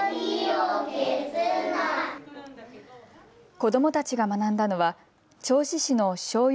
子どもたちが学んだのは銚子市のしょうゆ